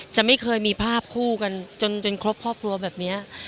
จะไม่เคยมีภาพคู่กันจนครบครอบครัวแบบนี้